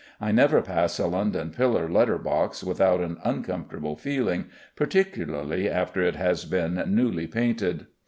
I never pass a London pillar letter box without an uncomfortable feeling, particularly after it has been newly painted.